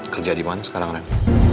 kerja dimana sekarang ren